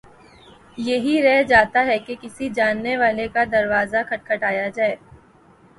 یہی رہ جاتا ہے کہ کسی جاننے والے کا دروازہ کھٹکھٹایا جائے۔